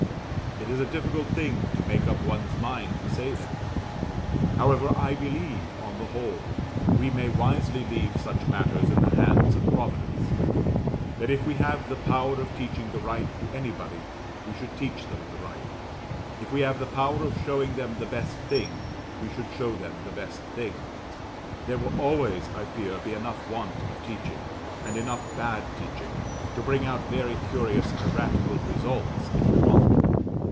It is a difficult thing to make up one's mind to say that. However, I believe, on the whole, we may wisely leave such matters in the hands of Providence; that if we have the power of teaching the right to anybody, we should teach them the right; if we have the power of showing them the best thing, we should show them the best thing; there will always, I fear, be enough want of teaching, and enough bad teaching, to bring out very curious erratical results if we want them.